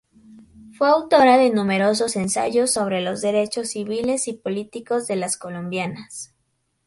Fue autora de numerosos ensayos sobre los derechos civiles y políticos de las colombianas.